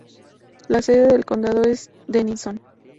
La sede del condado es Denison.